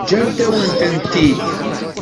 Ǧǧant-awen-tent-id.